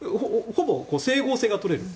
ほぼ整合性が取れる。